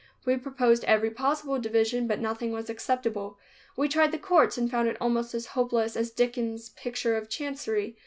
We proposed every possible division but nothing was acceptable. We tried the courts and found it almost as hopeless as Dickens' picture of chancery.